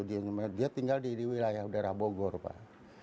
dia tinggal di wilayah udara bogor pak